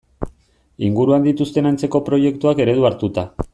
Inguruan dituzten antzeko proiektuak eredu hartuta.